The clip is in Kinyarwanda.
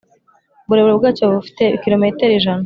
Uburebure bwacyo bufite kirometero ijana